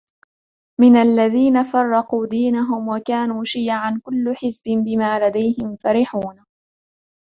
من الذين فرقوا دينهم وكانوا شيعا كل حزب بما لديهم فرحون